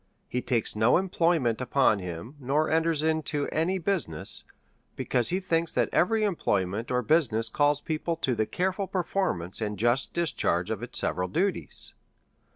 He takes no employment upon him, nor enters into any business, because he thinks that every employment or business calls people to the careful performance and discharge of its several duties.